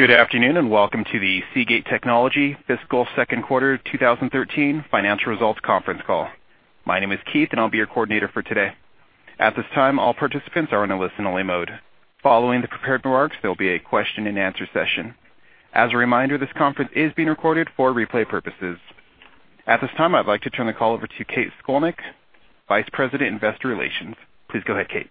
Good afternoon, and welcome to the Seagate Technology fiscal second quarter 2013 financial results conference call. My name is Keith, and I'll be your coordinator for today. At this time, all participants are in a listen-only mode. Following the prepared remarks, there will be a question and answer session. As a reminder, this conference is being recorded for replay purposes. At this time, I'd like to turn the call over to Kate Scolnick, Vice President, Investor Relations. Please go ahead, Kate.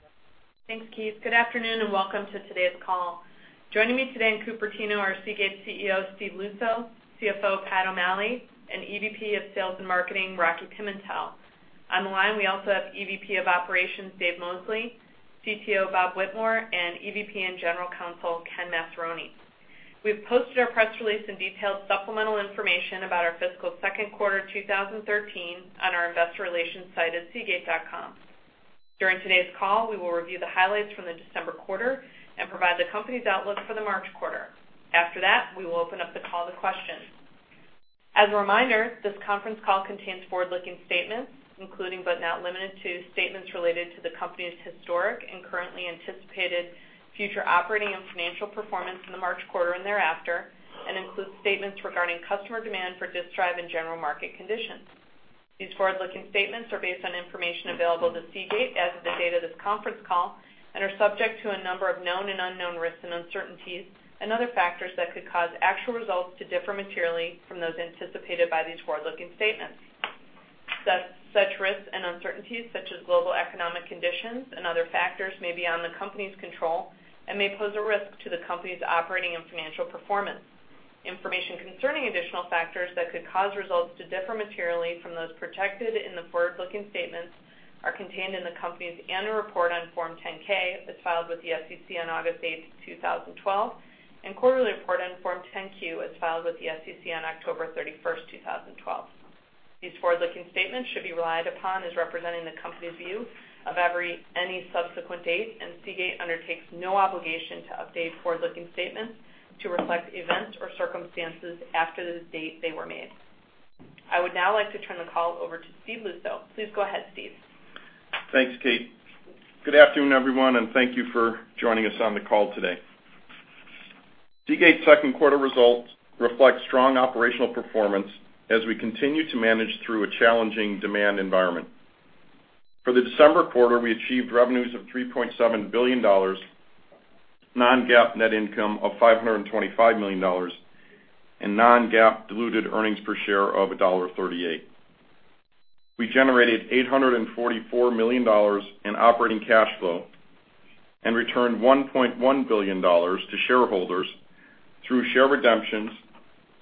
Thanks, Keith. Good afternoon, and welcome to today's call. Joining me today in Cupertino are Seagate CEO, Steve Luczo, CFO, Pat O'Malley, and EVP of Sales and Marketing, Rocky Pimentel. On the line, we also have EVP of Operations, Dave Mosley, CTO, Bob Whitmore, and EVP and General Counsel, Ken Massaroni. We've posted our press release and detailed supplemental information about our fiscal second quarter 2013 on our investor relations site at seagate.com. During today's call, we will review the highlights from the December quarter and provide the company's outlook for the March quarter. After that, we will open up the call to questions. As a reminder, this conference call contains forward-looking statements, including, but not limited to, statements related to the company's historic and currently anticipated future operating and financial performance in the March quarter and thereafter, and includes statements regarding customer demand for disk drive and general market conditions. These forward-looking statements are based on information available to Seagate as of the date of this conference call and are subject to a number of known and unknown risks, uncertainties, and other factors that could cause actual results to differ materially from those anticipated by these forward-looking statements. Such risks and uncertainties, such as global economic conditions and other factors may be beyond the company's control and may pose a risk to the company's operating and financial performance. Information concerning additional factors that could cause results to differ materially from those projected in the forward-looking statements are contained in the company's annual report on Form 10-K, as filed with the SEC on August 8th, 2012, and quarterly report on Form 10-Q, as filed with the SEC on October 31st, 2012. These forward-looking statements should be relied upon as representing the company's view of any subsequent date, and Seagate undertakes no obligation to update forward-looking statements to reflect events or circumstances after the date they were made. I would now like to turn the call over to Steve Luczo. Please go ahead, Steve. Thanks, Kate. Good afternoon, everyone. Thank you for joining us on the call today. Seagate's second quarter results reflect strong operational performance as we continue to manage through a challenging demand environment. For the December quarter, we achieved revenues of $3.7 billion, non-GAAP net income of $525 million, non-GAAP diluted earnings per share of $1.38. We generated $844 million in operating cash flow and returned $1.1 billion to shareholders through share redemptions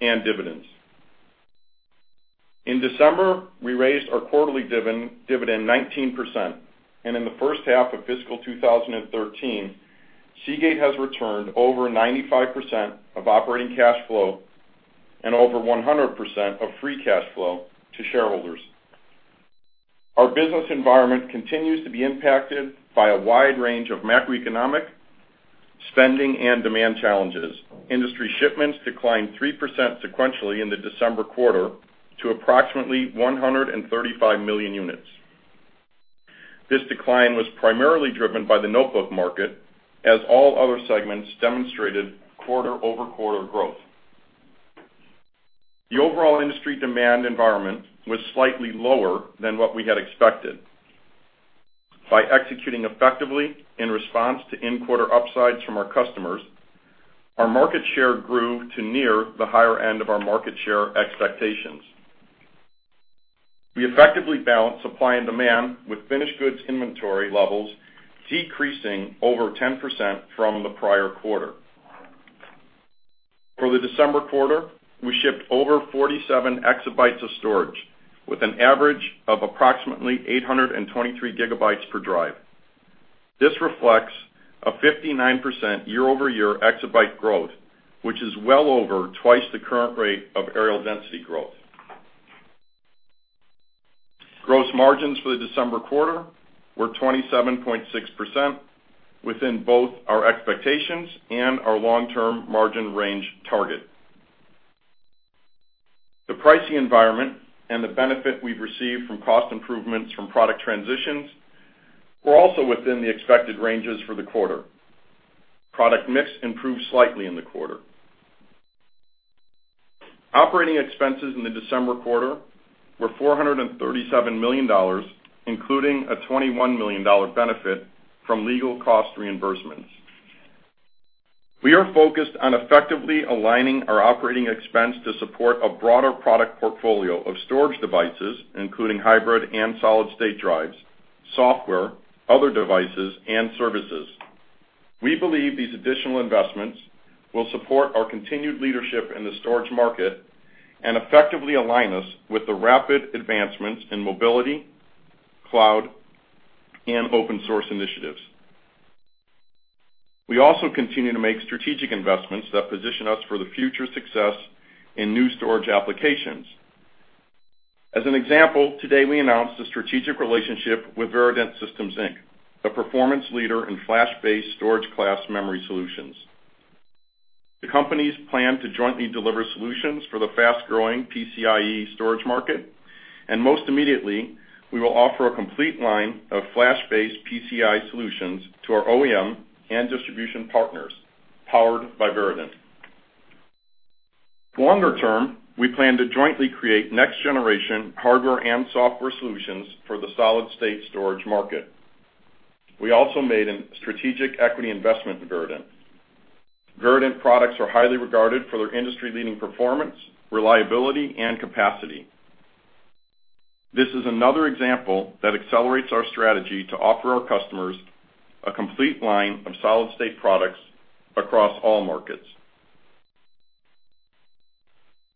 and dividends. In December, we raised our quarterly dividend 19%. In the first half of fiscal 2013, Seagate has returned over 95% of operating cash flow and over 100% of free cash flow to shareholders. Our business environment continues to be impacted by a wide range of macroeconomic spending and demand challenges. Industry shipments declined 3% sequentially in the December quarter to approximately 135 million units. This decline was primarily driven by the notebook market, as all other segments demonstrated quarter-over-quarter growth. The overall industry demand environment was slightly lower than what we had expected. By executing effectively in response to in-quarter upsides from our customers, our market share grew to near the higher end of our market share expectations. We effectively balanced supply and demand with finished goods inventory levels decreasing over 10% from the prior quarter. For the December quarter, we shipped over 47 exabytes of storage with an average of approximately 823 gigabytes per drive. This reflects a 59% year-over-year exabyte growth, which is well over twice the current rate of areal density growth. Gross margins for the December quarter were 27.6%, within both our expectations and our long-term margin range target. The pricing environment and the benefit we've received from cost improvements from product transitions were also within the expected ranges for the quarter. Product mix improved slightly in the quarter. Operating expenses in the December quarter were $437 million, including a $21 million benefit from legal cost reimbursements. We are focused on effectively aligning our operating expense to support a broader product portfolio of storage devices, including hybrid and solid-state drives, software, other devices, and services. We believe these additional investments will support our continued leadership in the storage market and effectively align us with the rapid advancements in mobility, cloud, and open source initiatives. We also continue to make strategic investments that position us for the future success in new storage applications. As an example, today we announced a strategic relationship with Virident Systems, Inc., a performance leader in Flash-based storage class memory solutions. The companies plan to jointly deliver solutions for the fast-growing PCIe storage market. Most immediately, we will offer a complete line of Flash-based PCIe solutions to our OEM and distribution partners, powered by Virident. Longer term, we plan to jointly create next-generation hardware and software solutions for the solid-state storage market. We also made a strategic equity investment in Virident. Virident products are highly regarded for their industry-leading performance, reliability, and capacity. This is another example that accelerates our strategy to offer our customers a complete line of solid-state products across all markets.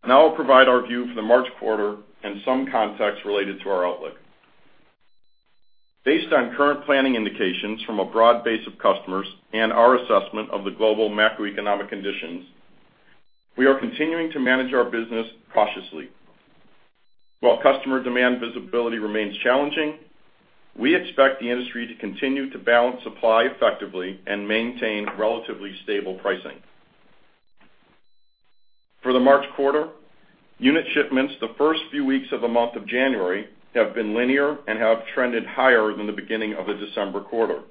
I'll provide our view for the March quarter and some context related to our outlook. Based on current planning indications from a broad base of customers and our assessment of the global macroeconomic conditions, we are continuing to manage our business cautiously. While customer demand visibility remains challenging, we expect the industry to continue to balance supply effectively and maintain relatively stable pricing. For the March quarter, unit shipments the first few weeks of the month of January have been linear and have trended higher than the beginning of the December quarter.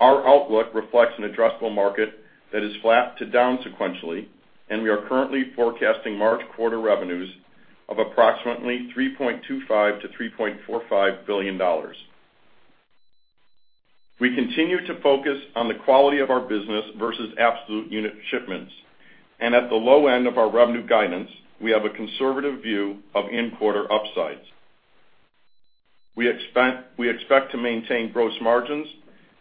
Our outlook reflects an addressable market that is flat to down sequentially. We are currently forecasting March quarter revenues of approximately $3.25 billion-$3.45 billion. We continue to focus on the quality of our business versus absolute unit shipments. At the low end of our revenue guidance, we have a conservative view of in-quarter upsides. We expect to maintain gross margins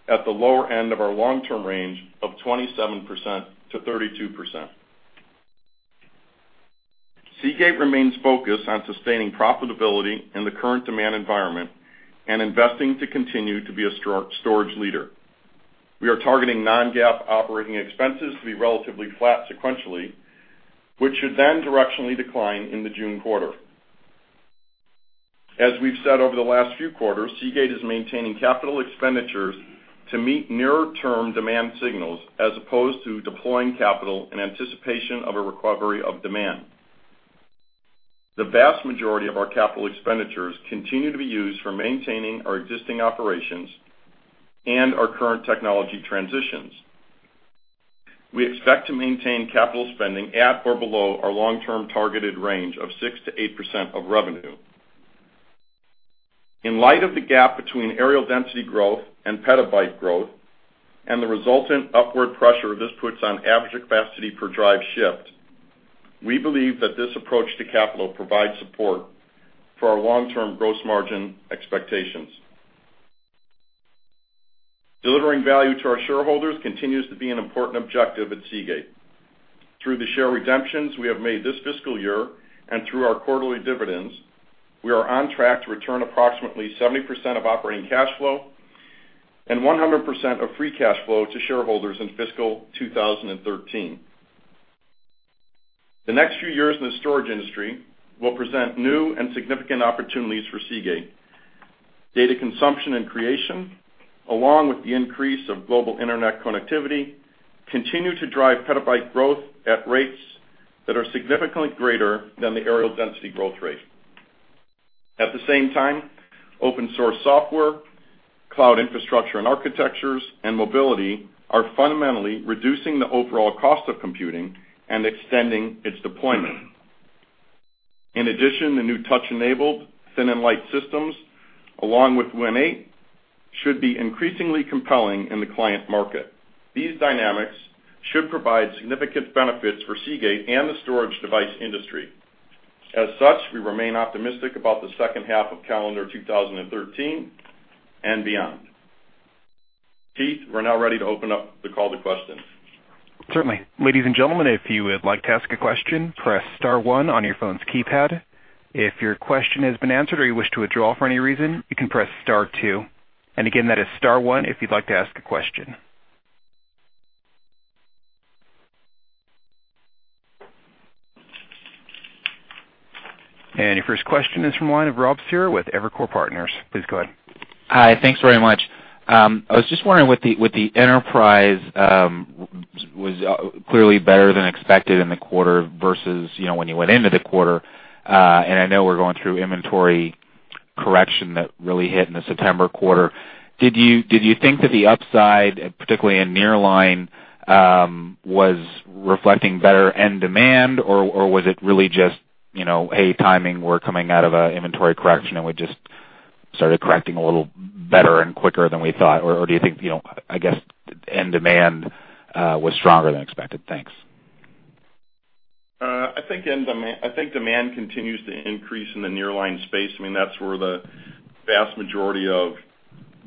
at the lower end of our long-term range of 27%-32%. Seagate remains focused on sustaining profitability in the current demand environment and investing to continue to be a storage leader. We are targeting non-GAAP operating expenses to be relatively flat sequentially, which should then directionally decline in the June quarter. As we've said over the last few quarters, Seagate is maintaining capital expenditures to meet nearer-term demand signals as opposed to deploying capital in anticipation of a recovery of demand. The vast majority of our capital expenditures continue to be used for maintaining our existing operations and our current technology transitions. We expect to maintain capital spending at or below our long-term targeted range of 6%-8% of revenue. In light of the gap between areal density growth and petabyte growth, and the resultant upward pressure this puts on average capacity per drive shift, we believe that this approach to capital provides support for our long-term gross margin expectations. Delivering value to our shareholders continues to be an important objective at Seagate. Through the share redemptions we have made this fiscal year and through our quarterly dividends, we are on track to return approximately 70% of operating cash flow and 100% of free cash flow to shareholders in fiscal 2013. The next few years in the storage industry will present new and significant opportunities for Seagate. Data consumption and creation, along with the increase of global internet connectivity, continue to drive petabyte growth at rates that are significantly greater than the areal density growth rate. At the same time, open source software, cloud infrastructure and architectures, and mobility are fundamentally reducing the overall cost of computing and extending its deployment. In addition, the new touch-enabled thin and light systems, along with Windows 8, should be increasingly compelling in the client market. These dynamics should provide significant benefits for Seagate and the storage device industry. As such, we remain optimistic about the second half of calendar 2013 and beyond. Keith, we're now ready to open up the call to questions. Certainly. Ladies and gentlemen, if you would like to ask a question, press star one on your phone's keypad. If your question has been answered or you wish to withdraw for any reason, you can press star two. Again, that is star one if you'd like to ask a question. Your first question is from the line of Rob Cihra with Evercore Partners. Please go ahead. Hi. Thanks very much. I was just wondering, with the enterprise, was clearly better than expected in the quarter versus when you went into the quarter. I know we're going through inventory correction that really hit in the September quarter. Did you think that the upside, particularly in Nearline, was reflecting better end demand? Was it really just a timing, we're coming out of an inventory correction, and we just started correcting a little better and quicker than we thought? Do you think, I guess, end demand was stronger than expected? Thanks. I think demand continues to increase in the Nearline space. That's where the vast majority of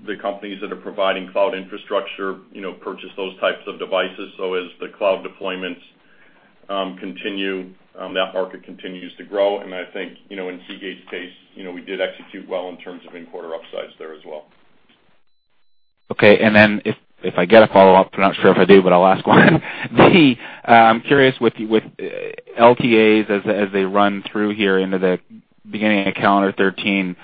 the companies that are providing cloud infrastructure purchase those types of devices. As the cloud deployments continue, that market continues to grow. I think in Seagate's case, we did execute well in terms of in-quarter upsides there as well. Okay. If I get a follow-up, I'm not sure if I do, but I'll ask one. B, I'm curious with LTAs as they run through here into the beginning of calendar 2013,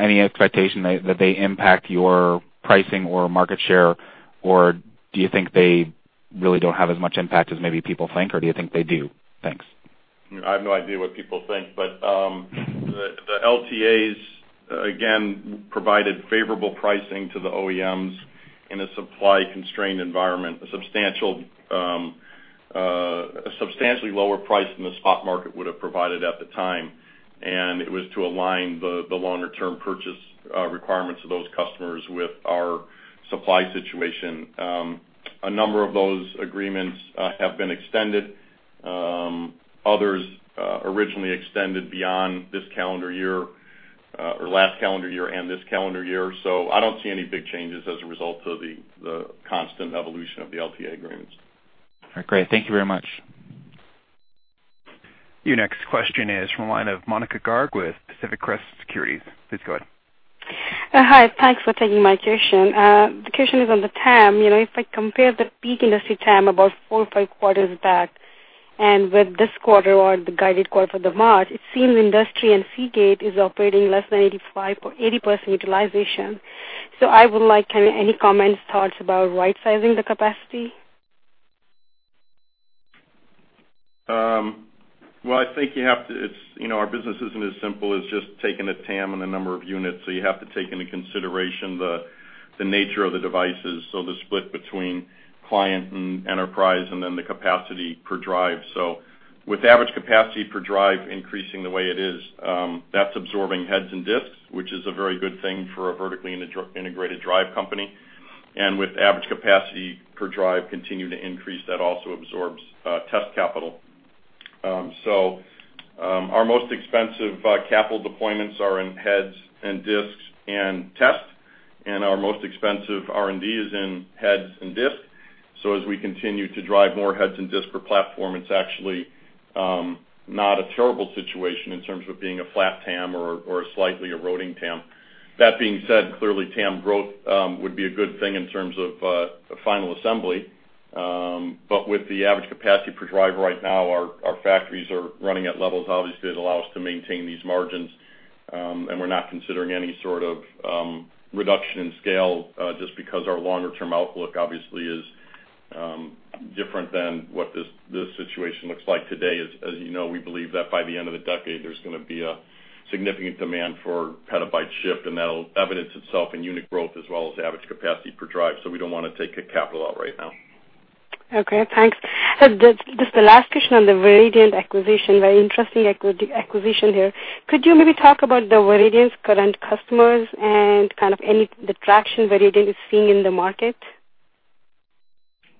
any expectation that they impact your pricing or market share, or do you think they really don't have as much impact as maybe people think, or do you think they do? Thanks. I have no idea what people think, the LTAs, again, provided favorable pricing to the OEMs in a supply-constrained environment, a substantially lower price than the spot market would have provided at the time, and it was to align the longer-term purchase requirements of those customers with our supply situation. A number of those agreements have been extended. Others originally extended beyond this calendar year, or last calendar year and this calendar year. I don't see any big changes as a result of the constant evolution of the LTA agreements. All right, great. Thank you very much. Your next question is from the line of Monika Garg with Pacific Crest Securities. Please go ahead. Hi, thanks for taking my question. The question is on the TAM. If I compare the peak industry TAM about four or five quarters back, and with this quarter or the guided quarter for the March, it seems industry and Seagate is operating less than 80% utilization. I would like any comments, thoughts about right-sizing the capacity? Well, our business isn't as simple as just taking a TAM and a number of units. You have to take into consideration the nature of the devices, the split between client and enterprise, and then the capacity per drive. With average capacity per drive increasing the way it is, that's absorbing heads and disks, which is a very good thing for a vertically integrated drive company. With average capacity per drive continuing to increase, that also absorbs test capital. Our most expensive capital deployments are in heads and disks and test, and our most expensive R&D is in heads and disks. As we continue to drive more heads and disks per platform, it's actually not a terrible situation in terms of being a flat TAM or a slightly eroding TAM. That being said, clearly TAM growth would be a good thing in terms of the final assembly. With the average capacity per drive right now, our factories are running at levels, obviously, that allow us to maintain these margins, and we're not considering any sort of reduction in scale just because our longer-term outlook obviously is different than what this situation looks like today. As you know, we believe that by the end of the decade, there's going to be a significant demand for petabyte shift, and that'll evidence itself in unit growth as well as average capacity per drive. We don't want to take the capital out right now. Okay, thanks. Just the last question on the Virident acquisition, very interesting acquisition here. Could you maybe talk about Virident's current customers and the traction Virident is seeing in the market?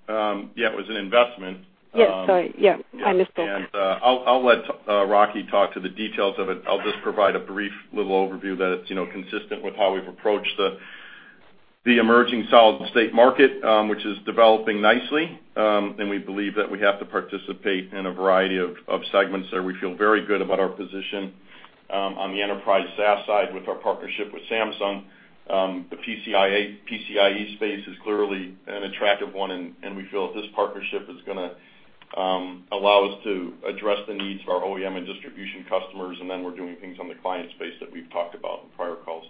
Yeah, it was an investment. Yeah, sorry. Yeah, I missed that. I'll let Rocky talk to the details of it. I'll just provide a brief little overview that it's consistent with how we've approached the emerging solid-state market, which is developing nicely. We believe that we have to participate in a variety of segments there. We feel very good about our position on the enterprise SAS side with our partnership with Samsung. The PCIe space is clearly an attractive one, and we feel that this partnership is going to allow us to address the needs of our OEM and distribution customers, and then we're doing things on the client space that we've talked about in prior calls.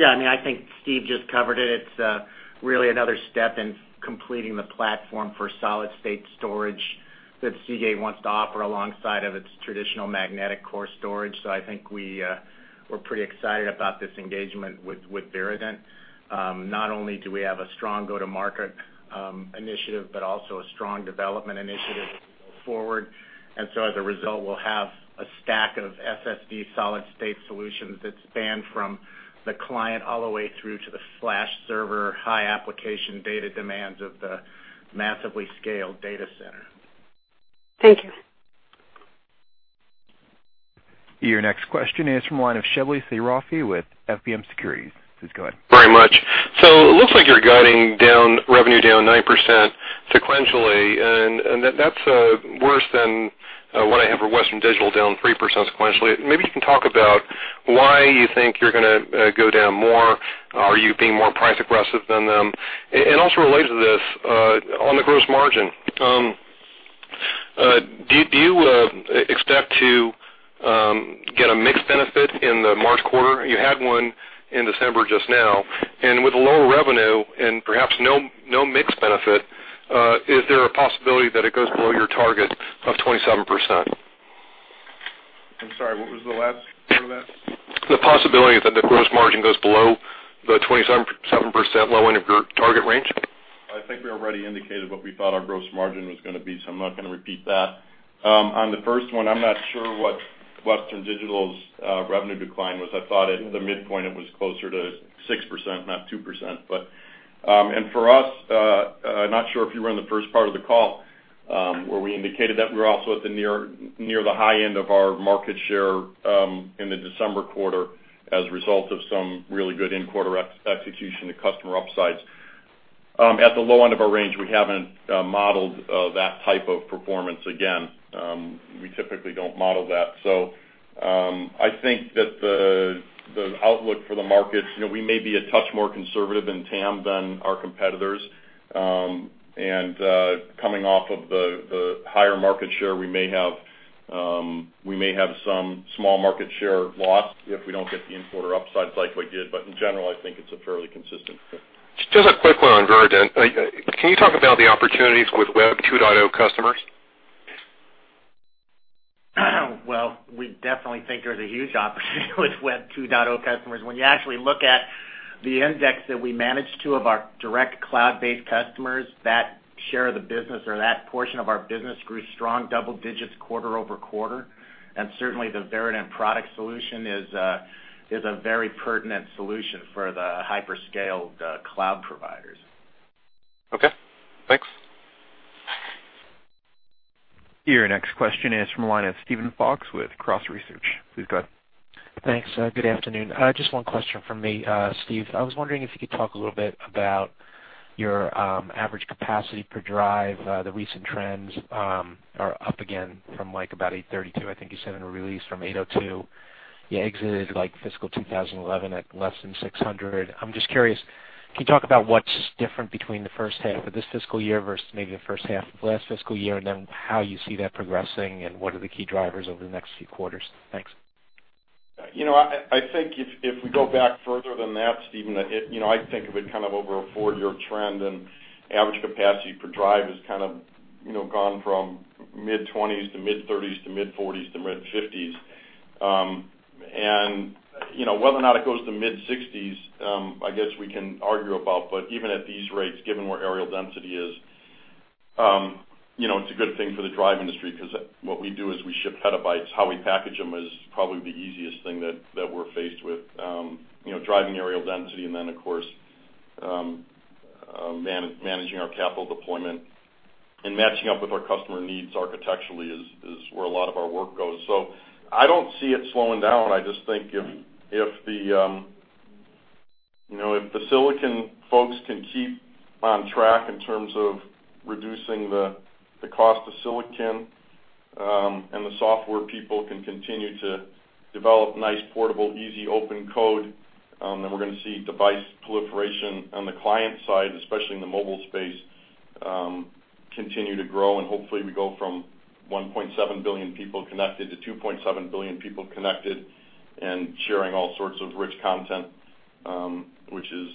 Yeah, I think Steve just covered it. It's really another step in completing the platform for solid-state storage that Seagate wants to offer alongside of its traditional magnetic core storage. I think we're pretty excited about this engagement with Virident. Not only do we have a strong go-to-market initiative, but also a strong development initiative as we go forward. As a result, we'll have a stack of SSD solid-state solutions that span from the client all the way through to the flash server, high application data demands of the massively scaled data center. Thank you. Your next question is from the line of Shebly Seyrafi with FBN Securities. Please go ahead. Very much. It looks like you're guiding revenue down 9% sequentially, and that's worse than what I have for Western Digital, down 3% sequentially. Maybe you can talk about why you think you're going to go down more. Are you being more price-aggressive than them? Also related to this, on the gross margin, do you expect to get a mixed benefit in the March quarter? You had one in December just now, and with lower revenue and perhaps no mixed benefit, is there a possibility that it goes below your target of 27%? I'm sorry, what was the last part of that? The possibility that the gross margin goes below the 27% low end of your target range. I think we already indicated what we thought our gross margin was going to be, so I'm not going to repeat that. On the first one, I'm not sure what Western Digital's revenue decline was. I thought at the midpoint it was closer to 6%, not 2%. For us, I'm not sure if you were on the first part of the call, where we indicated that we were also at the near the high end of our market share in the December quarter as a result of some really good end quarter execution to customer upsides. At the low end of our range, we haven't modeled that type of performance again. We typically don't model that. I think that the outlook for the markets, we may be a touch more conservative in TAM than our competitors. Coming off of the higher market share, we may have some small market share loss if we don't get the importer upside like we did. In general, I think it's a fairly consistent. Just a quick one on Virident. Can you talk about the opportunities with Web 2.0 customers? Well, we definitely think there's a huge opportunity with Web 2.0 customers. When you actually look at the index that we manage two of our direct cloud-based customers, that share of the business or that portion of our business grew strong double digits quarter-over-quarter. Certainly, the Virident product solution is a very pertinent solution for the hyperscale cloud providers. Okay, thanks. Your next question is from the line of Steven Fox with Cross Research. Please go ahead. Thanks. Good afternoon. Just one question from me. Steve, I was wondering if you could talk a little bit about your average capacity per drive. The recent trends are up again from about 832, I think you said in a release, from 802. You exited fiscal 2011 at less than 600. I'm just curious, can you talk about what's different between the first half of this fiscal year versus maybe the first half of last fiscal year, and then how you see that progressing and what are the key drivers over the next few quarters? Thanks. I think if we go back further than that, Steven, I think of it kind of over a four-year trend, average capacity per drive has kind of gone from mid-20s to mid-30s to mid-40s to mid-50s. Whether or not it goes to mid-60s, I guess we can argue about, but even at these rates, given where aerial density is, it's a good thing for the drive industry because what we do is we ship petabytes. How we package them is probably the easiest thing that we're faced with. Driving aerial density, of course, managing our capital deployment and matching up with our customer needs architecturally is where a lot of our work goes. I don't see it slowing down. I just think if the silicon folks can keep on track in terms of reducing the cost of silicon, and the software people can continue to develop nice, portable, easy open code, then we're going to see device proliferation on the client side, especially in the mobile space, continue to grow. Hopefully we go from 1.7 billion people connected to 2.7 billion people connected and sharing all sorts of rich content, which is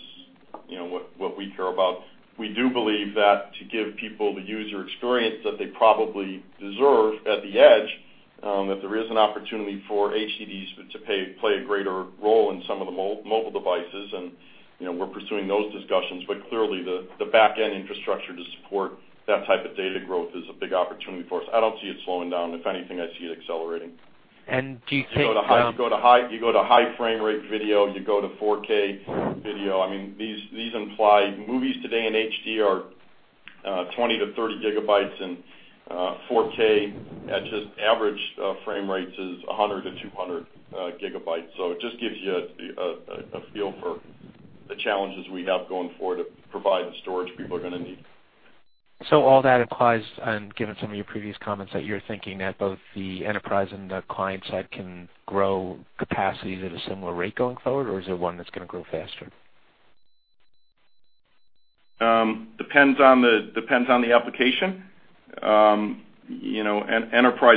what we care about. We do believe that to give people the user experience that they probably deserve at the edge, that there is an opportunity for HDDs to play a greater role in some of the mobile devices, and we're pursuing those discussions. Clearly, the back-end infrastructure to support that type of data growth is a big opportunity for us. I don't see it slowing down. If anything, I see it accelerating. Do you think? You go to high frame rate video, you go to 4K video. These imply movies today in HD are 20-30 gigabytes, and 4K at just average frame rates is 100-200 gigabytes. It just gives you a feel for the challenges we have going forward to provide the storage people are going to need. All that implies, and given some of your previous comments, that you're thinking that both the enterprise and the client side can grow capacities at a similar rate going forward, or is there one that's going to grow faster? Depends on the application. Enterprise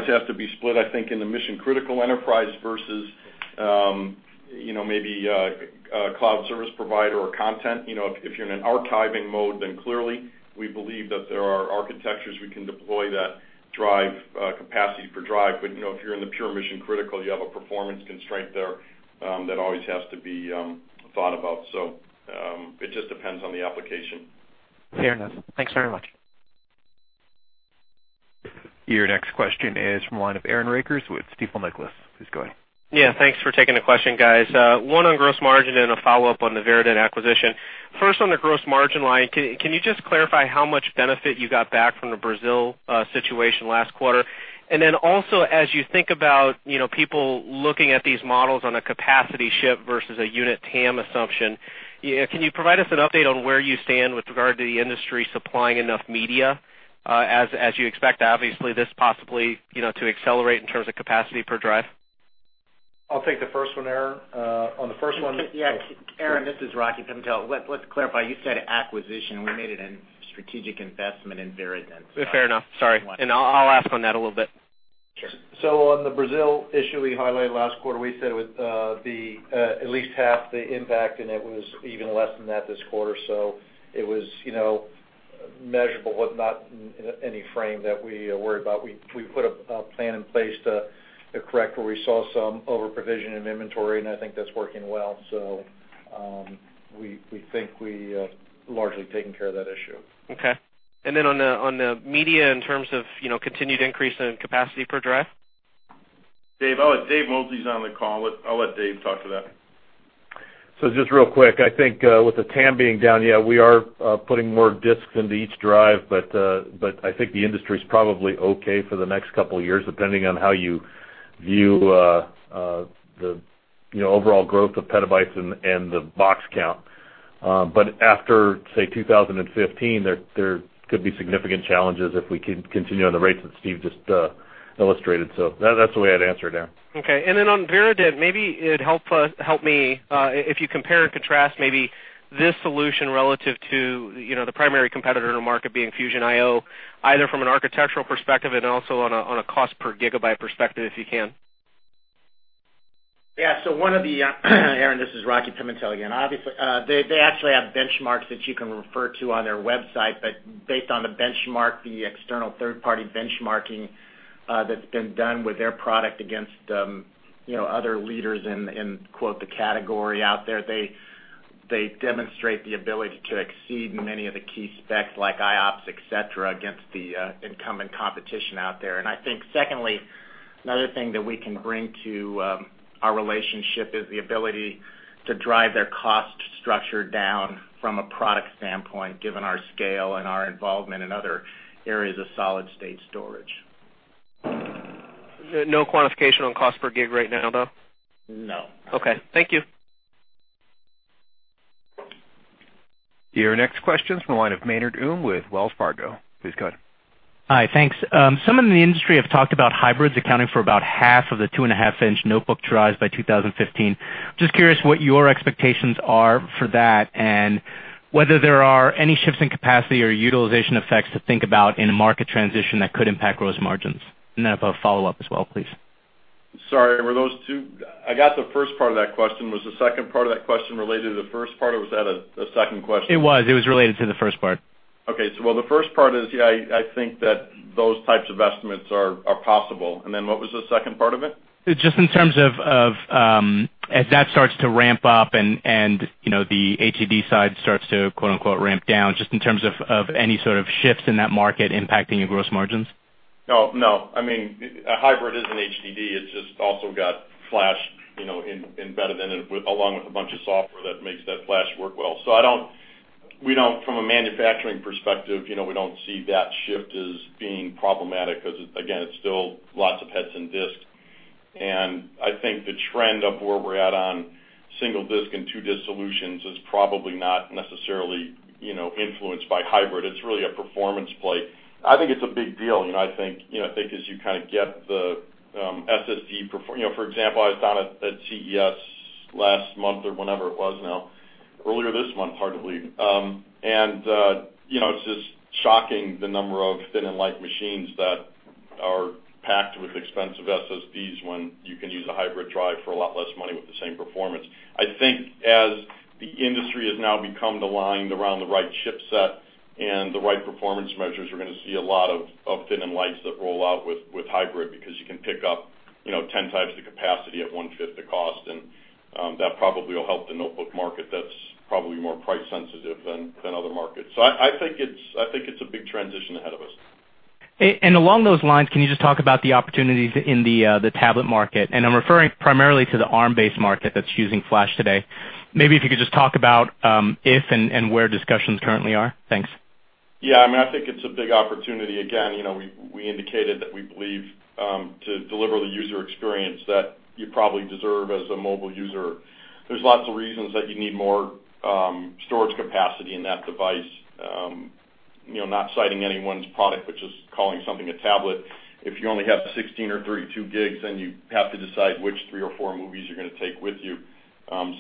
has to be split, I think, in the mission-critical enterprise versus maybe a cloud service provider or content. If you're in an archiving mode, clearly, we believe that there are architectures we can deploy that drive capacity for drive. If you're in the pure mission-critical, you have a performance constraint there that always has to be thought about. It just depends on the application. Fair enough. Thanks very much. Your next question is from the line of Aaron Rakers with Stifel Nicolaus. Please go ahead. Yeah, thanks for taking the question, guys. One on gross margin and a follow-up on the Virident acquisition. First, on the gross margin line, can you just clarify how much benefit you got back from the Brazil situation last quarter? Also, as you think about people looking at these models on a capacity ship versus a unit TAM assumption, can you provide us an update on where you stand with regard to the industry supplying enough media as you expect, obviously, this possibly to accelerate in terms of capacity per drive? I'll take the first one, Aaron. On the first one Yeah. Aaron, this is Rocky Pimentel. Let's clarify. You said acquisition. We made it a strategic investment in Virident. Fair enough. Sorry. I'll ask on that a little bit. Sure. On the Brazil issue we highlighted last quarter, we said it would be at least half the impact, and it was even less than that this quarter. It was measurable, but not in any frame that we worry about. We put a plan in place to correct where we saw some over-provision in inventory, and I think that's working well. We think we have largely taken care of that issue. Then on the media in terms of continued increase in capacity per drive? Dave, Mosley is on the call. I'll let Dave talk to that. Just real quick, I think with the TAM being down, yeah, we are putting more disks into each drive, but I think the industry's probably okay for the next couple of years, depending on how you view the overall growth of petabytes and the box count. After, say, 2015, there could be significant challenges if we continue on the rates that Steve just illustrated. That's the way I'd answer it, Aaron. Okay. Then on Virident, maybe it'd help me if you compare and contrast maybe this solution relative to the primary competitor in the market being Fusion-io, either from an architectural perspective and also on a cost per gigabyte perspective, if you can. Yeah. Aaron, this is Rocky Pimentel again. Obviously, they actually have benchmarks that you can refer to on their website, but based on the benchmark, the external third-party benchmarking that's been done with their product against other leaders in quote, "the category" out there, they demonstrate the ability to exceed many of the key specs like IOPS, et cetera, against the incumbent competition out there. Secondly, another thing that we can bring to our relationship is the ability to drive their cost structure down from a product standpoint, given our scale and our involvement in other areas of solid-state storage. No quantification on cost per gig right now, though? No. Okay. Thank you. Your next question's from the line of Maynard Um with Wells Fargo. Please go ahead. Hi, thanks. Some in the industry have talked about hybrids accounting for about half of the two-and-a-half-inch notebook drives by 2015. Just curious what your expectations are for that and whether there are any shifts in capacity or utilization effects to think about in a market transition that could impact gross margins. I have a follow-up as well, please. Sorry, were those I got the first part of that question. Was the second part of that question related to the first part, or was that a second question? It was. It was related to the first part. Okay. Well, the first part is, yeah, I think that those types of estimates are possible. Then what was the second part of it? Just in terms of, as that starts to ramp up and the HDD side starts to quote, unquote, "ramp down", just in terms of any sort of shifts in that market impacting your gross margins. No. A hybrid is an HDD. It's just also got flash embedded in it, along with a bunch of software that makes that flash work well. From a manufacturing perspective, we don't see that shift as being problematic because, again, it's still lots of heads and disks. I think the trend of where we're at on single disk and two-disk solutions is probably not necessarily influenced by hybrid. It's really a performance play. I think it's a big deal. I think as you kind of get the SSD performance, for example, I was down at CES last month or whenever it was now, earlier this month, hard to believe. It's just shocking the number of thin and light machines that are packed with expensive SSDs when you can use a hybrid drive for a lot less money with the same performance. I think as the industry has now become aligned around the right chipset and the right performance measures, we're going to see a lot of thin and lights that roll out with hybrid because you can pick up 10 times the capacity at one-fifth the cost, that probably will help the notebook market that's probably more price sensitive than other markets. I think it's a big transition ahead of us. Along those lines, can you just talk about the opportunities in the tablet market? I'm referring primarily to the ARM-based market that's using flash today. Maybe if you could just talk about if and where discussions currently are. Thanks. I think it's a big opportunity. Again, we indicated that we believe to deliver the user experience that you probably deserve as a mobile user, there's lots of reasons that you need more storage capacity in that device. Not citing anyone's product, but just calling something a tablet. If you only have 16 or 32 gigs, then you have to decide which three or four movies you're going to take with you.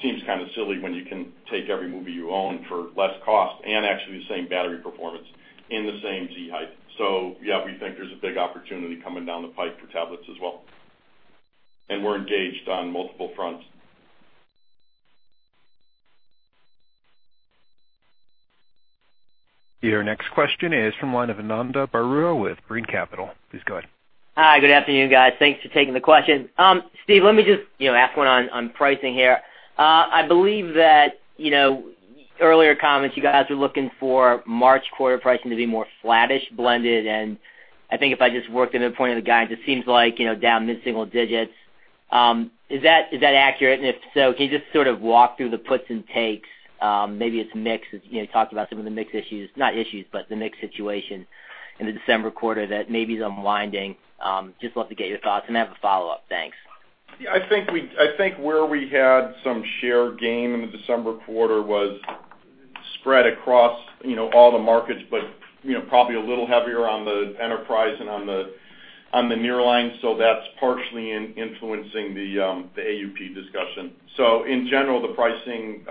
Seems kind of silly when you can take every movie you own for less cost and actually the same battery performance in the same Z height. We think there's a big opportunity coming down the pipe for tablets as well. We're engaged on multiple fronts. Your next question is from the line of Ananda Baruah with Brean Capital. Please go ahead. Hi. Good afternoon, guys. Thanks for taking the question. Steve, let me just ask one on pricing here. I believe that earlier comments, you guys are looking for March quarter pricing to be more flattish blended. I think if I just worked in the point of the guides, it seems like down mid-single digits. Is that accurate? If so, can you just sort of walk through the puts and takes? Maybe it's mix, you talked about some of the mix issues, not issues, but the mix situation in the December quarter that maybe is unwinding. Just love to get your thoughts and have a follow-up. Thanks. I think where we had some share gain in the December quarter was spread across all the markets, but probably a little heavier on the enterprise and on the Nearline. That's partially influencing the AUP discussion. In general, the pricing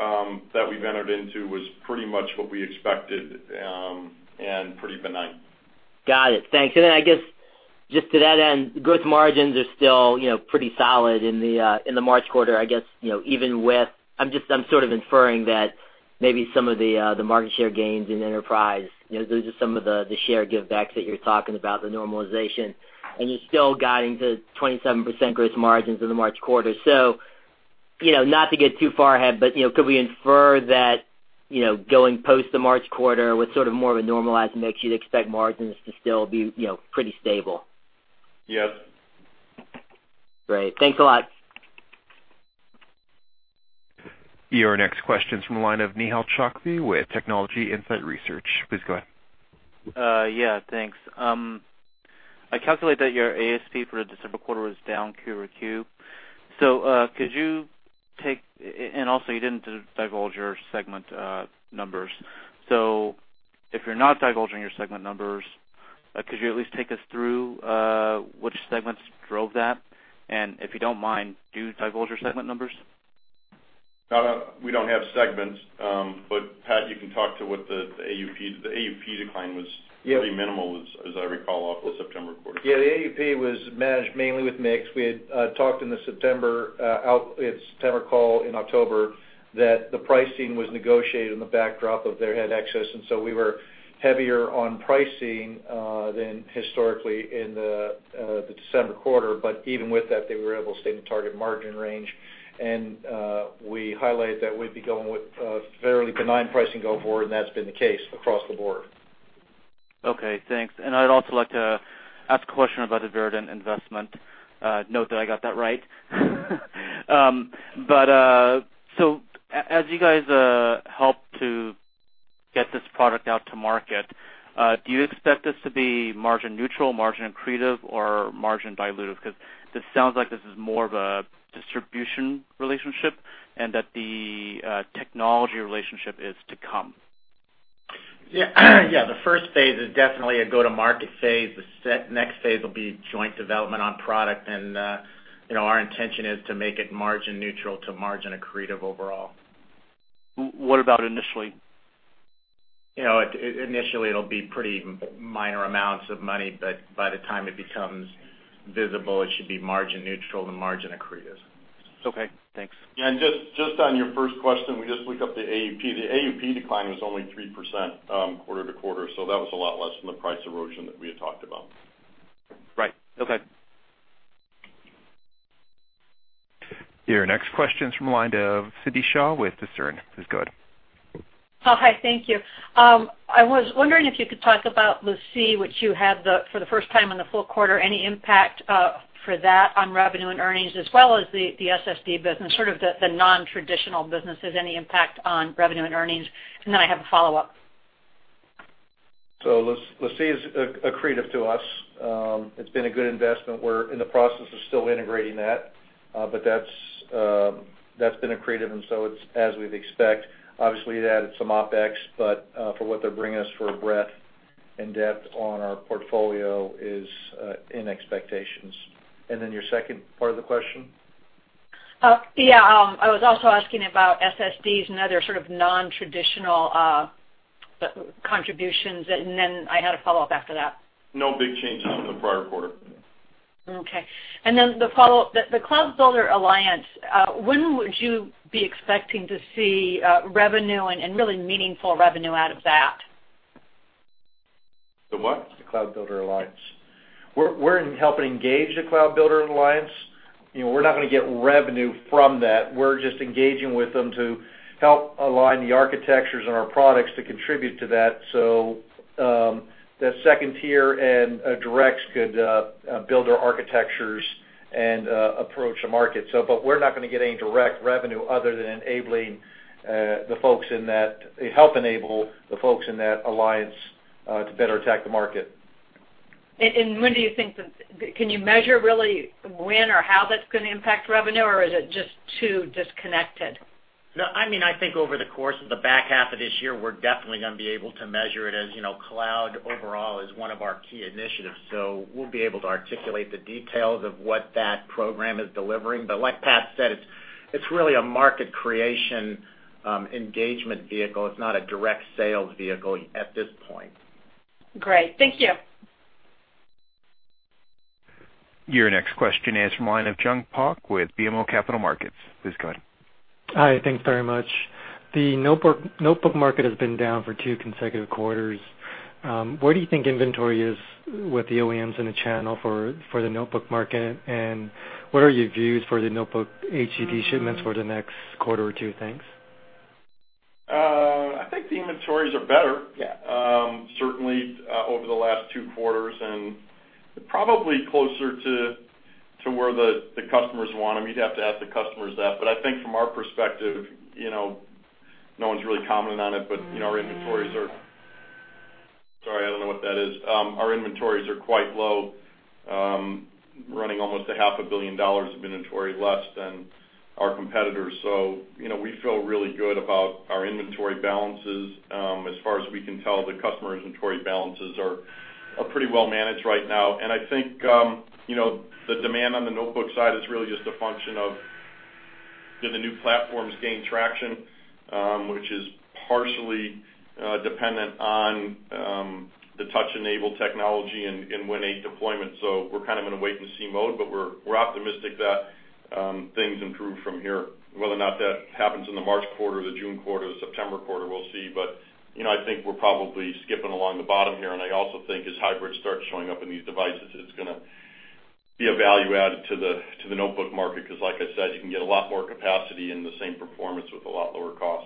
that we've entered into was pretty much what we expected and pretty benign. Got it. Thanks. I guess just to that end, gross margins are still pretty solid in the March quarter, I guess even with, I'm sort of inferring that maybe some of the market share gains in enterprise, those are some of the share givebacks that you're talking about, the normalization, and you're still guiding to 27% gross margins in the March quarter. Not to get too far ahead, but could we infer that going post the March quarter with sort of more of a normalized mix, you'd expect margins to still be pretty stable? Yes. Great. Thanks a lot. Your next question is from the line of Nihal Chokshi with Technology Insights Research. Please go ahead. Thanks. I calculate that your ASP for the December quarter was down quarter-over-quarter. You didn't divulge your segment numbers. If you're not divulging your segment numbers, could you at least take us through which segments drove that? If you don't mind, do divulge your segment numbers? No, we don't have segments. Pat, you can talk to what the AUP. The AUP decline was pretty minimal, as I recall, off the September quarter. Yeah. The AUP was managed mainly with mix. We had talked in the September call in October that the pricing was negotiated in the backdrop of their head access, we were heavier on pricing than historically in the December quarter. Even with that, they were able to stay in the target margin range, we highlighted that we'd be going with a fairly benign pricing going forward, and that's been the case across the board. Okay, thanks. I'd also like to ask a question about the Virident investment. Note that I got that right. As you guys help to get this product out to market, do you expect this to be margin neutral, margin accretive, or margin dilutive? This sounds like this is more of a distribution relationship and that the technology relationship is to come. Yeah. The first phase is definitely a go-to-market phase. The next phase will be joint development on product, our intention is to make it margin neutral to margin accretive overall. What about initially? Initially it'll be pretty minor amounts of money, but by the time it becomes visible, it should be margin neutral to margin accretive. Okay, thanks. Yeah, just on your first question, we just looked up the AUP. The AUP decline was only 3% quarter-to-quarter. That was a lot less than the price erosion that we had talked about. Right. Okay. Your next question is from the line of Cindy Shaw with Discern. Please go ahead. Oh, hi. Thank you. I was wondering if you could talk about LaCie, which you had for the first time in the full quarter, any impact for that on revenue and earnings, as well as the SSD business, sort of the nontraditional businesses, any impact on revenue and earnings? I have a follow-up. LaCie is accretive to us. It's been a good investment. We're in the process of still integrating that, but that's been accretive, and so it's as we'd expect. Obviously, it added some OpEx, but for what they're bringing us for breadth and depth on our portfolio is in expectations. Your second part of the question? Yeah. I was also asking about SSDs and other sort of nontraditional contributions. Then I had a follow-up after that. No big changes from the prior quarter. Okay. Then the follow-up, the Cloud Builder Alliance, when would you be expecting to see revenue and really meaningful revenue out of that? The what? The Cloud Builder Alliance. We're helping engage the Cloud Builder Alliance. We're not going to get revenue from that. We're just engaging with them to help align the architectures and our products to contribute to that. The 2 tier and directs could build our architectures and approach the market. We're not going to get any direct revenue other than enabling the folks help enable the folks in that alliance to better attack the market. When do you think can you measure really when or how that's going to impact revenue, or is it just too disconnected? I think over the course of the back half of this year, we're definitely going to be able to measure it as cloud overall is one of our key initiatives. We'll be able to articulate the details of what that program is delivering. Like Pat said, it's really a market creation engagement vehicle. It's not a direct sales vehicle at this point. Great. Thank you. Your next question is from the line of Jun Park with BMO Capital Markets. Please go ahead. Hi. Thank you very much. The notebook market has been down for two consecutive quarters. Where do you think inventory is with the OEMs in the channel for the notebook market, and what are your views for the notebook HDD shipments for the next quarter or two? Thanks. I think the inventories are better- Yeah certainly over the last two quarters and probably closer to where the customers want them. You'd have to ask the customers that. I think from our perspective, no one's really commented on it, but our inventories are quite low, running almost a half a billion dollars of inventory less than our competitors. We feel really good about our inventory balances. As far as we can tell, the customer inventory balances are pretty well managed right now. I think the demand on the notebook side is really just a function of, did the new platforms gain traction, which is partially dependent on the touch-enabled technology and Win8 deployment. We're kind of in a wait and see mode, but we're optimistic that things improve from here. Whether or not that happens in the March quarter or the June quarter or the September quarter, we'll see. I think we're probably skipping along the bottom here, and I also think as hybrids start showing up in these devices, it's going to be a value add to the notebook market because like I said, you can get a lot more capacity and the same performance with a lot lower cost.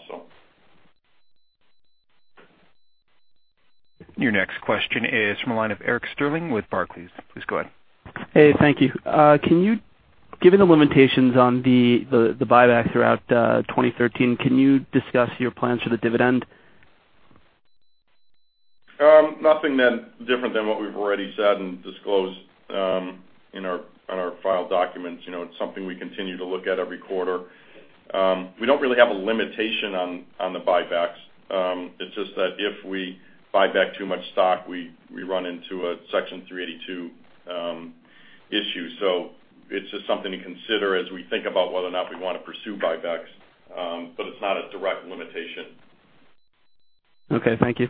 Your next question is from a line of Erik Woodring with Barclays. Please go ahead. Hey, thank you. Given the limitations on the buyback throughout 2013, can you discuss your plans for the dividend? Nothing different than what we've already said and disclosed in our filed documents. It's something we continue to look at every quarter. We don't really have a limitation on the buybacks. It's just that if we buy back too much stock, we run into a Section 382 issue. It's just something to consider as we think about whether or not we want to pursue buybacks, but it's not a direct limitation. Okay, thank you.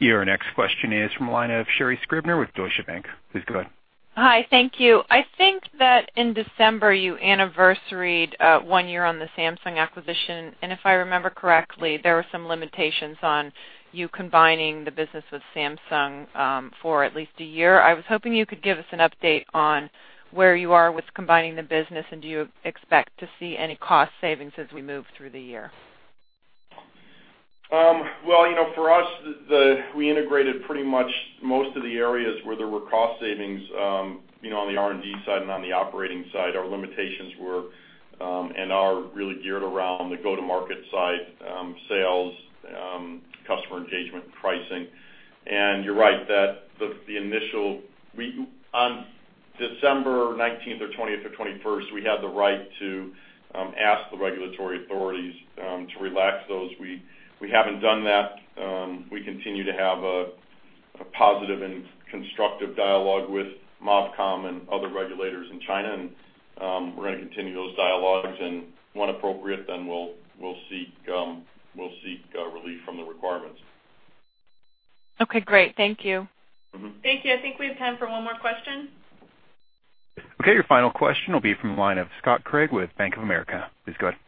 Your next question is from the line of Sherri Scribner with Deutsche Bank. Please go ahead. Hi, thank you. I think that in December you anniversaried one year on the Samsung acquisition, and if I remember correctly, there were some limitations on you combining the business with Samsung for at least a year. I was hoping you could give us an update on where you are with combining the business, and do you expect to see any cost savings as we move through the year? Well, for us, we integrated pretty much most of the areas where there were cost savings on the R&D side and on the operating side. Our limitations were, and are really geared around the go-to-market side, sales, customer engagement, pricing. You're right that on December 19th or 20th or 21st, we had the right to ask the regulatory authorities to relax those. We haven't done that. We continue to have a positive and constructive dialogue with MOFCOM and other regulators in China. We're going to continue those dialogues, when appropriate, we'll seek relief from the requirements. Okay, great. Thank you. Thank you. I think we have time for one more question. Okay, your final question will be from the line of Scott Craig with Bank of America. Please go ahead.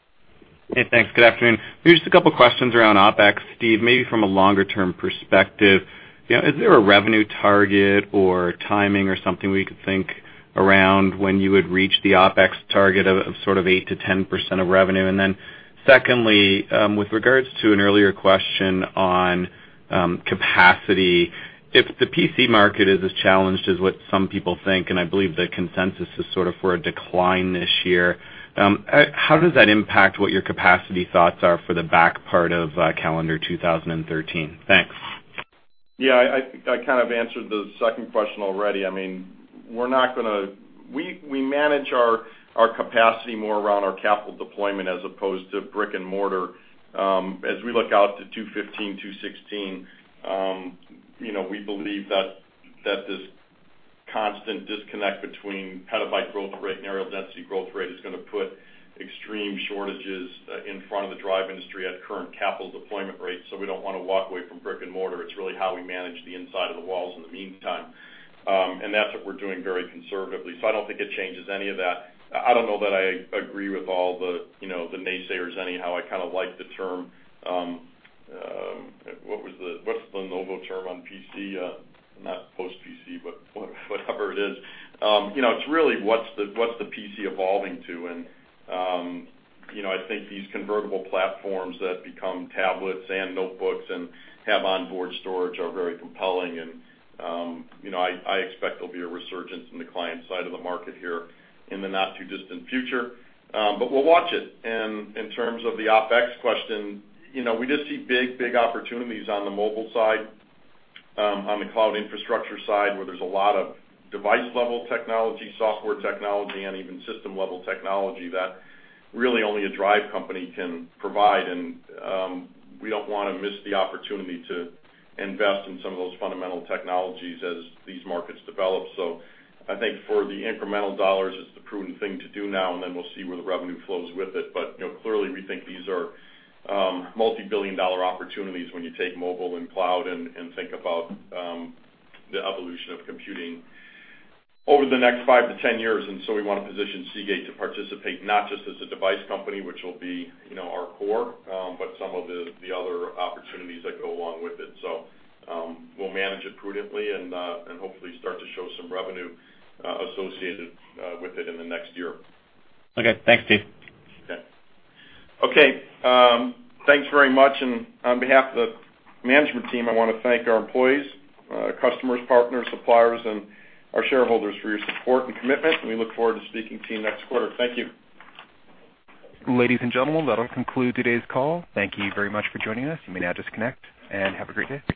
Hey, thanks. Good afternoon. Just 2 questions around OpEx, Steve, maybe from a longer-term perspective. Is there a revenue target or timing or something we could think around when you would reach the OpEx target of sort of 8%-10% of revenue? Secondly, with regards to an earlier question on capacity, if the PC market is as challenged as what some people think, and I believe the consensus is sort of for a decline this year, how does that impact what your capacity thoughts are for the back part of calendar 2013? Thanks. Yeah, I kind of answered the 2nd question already. We manage our capacity more around our capital deployment as opposed to brick and mortar. As we look out to 2015, 2016, we believe that this constant disconnect between petabyte growth rate and areal density growth rate is going to put extreme shortages in front of the drive industry at current capital deployment rates. We don't want to walk away from brick and mortar. It's really how we manage the inside of the walls in the meantime. That's what we're doing very conservatively. I don't think it changes any of that. I don't know that I agree with all the naysayers anyhow. I kind of like the term What's the Lenovo term on PC? Not post PC, but whatever it is. It's really what's the PC evolving to. I think these convertible platforms that become tablets and notebooks and have onboard storage are very compelling. I expect there'll be a resurgence in the client side of the market here in the not too distant future. We'll watch it. In terms of the OpEx question, we just see big opportunities on the mobile side, on the cloud infrastructure side, where there's a lot of device-level technology, software technology, and even system-level technology that really only a drive company can provide. We don't want to miss the opportunity to invest in some of those fundamental technologies as these markets develop. I think for the incremental $, it's the prudent thing to do now. We'll see where the revenue flows with it. Clearly, we think these are multi-billion dollar opportunities when you take mobile and cloud and think about the evolution of computing over the next 5-10 years. We want to position Seagate to participate, not just as a device company, which will be our core, but some of the other opportunities that go along with it. We'll manage it prudently and hopefully start to show some revenue associated with it in the next year. Okay, thanks, Steve. Okay. Thanks very much. On behalf of the management team, I want to thank our employees, customers, partners, suppliers, and our shareholders for your support and commitment. We look forward to speaking to you next quarter. Thank you. Ladies and gentlemen, that'll conclude today's call. Thank you very much for joining us. You may now disconnect. Have a great day.